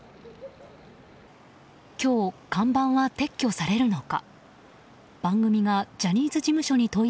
今日、看板は撤去されるのか。